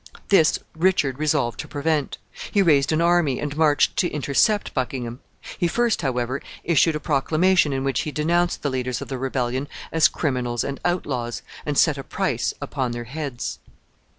This Richard resolved to prevent. He raised an army, and marched to intercept Buckingham. He first, however, issued a proclamation in which he denounced the leaders of the rebellion as criminals and outlaws, and set a price upon their heads.